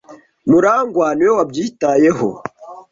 Murangwa niwe wabyitayeho.